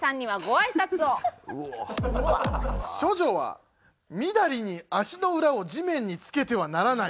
処女はみだりに足の裏を地面につけてはならない。